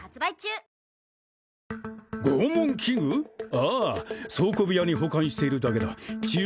ああ倉庫部屋に保管しているだけだ治癒